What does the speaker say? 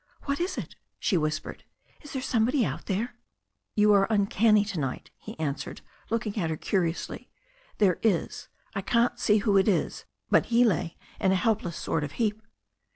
"What is it?" she whispered. "Is there somebody out there?" "You are uncanny to night," he answered, looking at her curiously. "There is. I couldn't see who it was. But he lay in a helpless sort of heap."